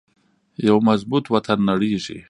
یو مضبوط وطن نړیږي